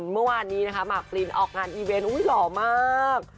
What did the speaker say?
เมื่อวานนี้นะครับหมากปรินออกงานอีเวนอุ้ยหรอมาก